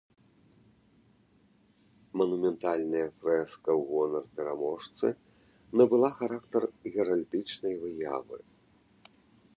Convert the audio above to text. Манументальная фрэска ў гонар пераможцы набыла характар геральдычнай выявы.